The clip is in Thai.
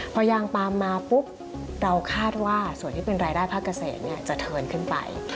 พอยางปาล์มมาปุ๊บเราคาดว่าส่วนที่เป็นรายได้ภาคเกษตรจะเทินขึ้นไป